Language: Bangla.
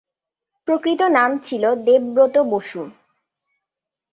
প্রকৃত নাম ছিল দেবব্রত বসু।